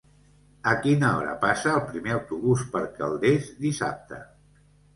A quina hora passa el primer autobús per Calders dissabte?